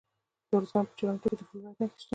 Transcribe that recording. د ارزګان په چنارتو کې د فلورایټ نښې شته.